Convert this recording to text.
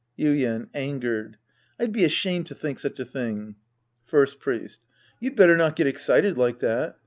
Ytden {angered). I'd be ashamed to think such a thing. First Priest. You'd better not get excited like that.